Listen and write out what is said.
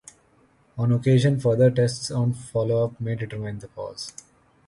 On occasion, further tests on follow up may determine the cause.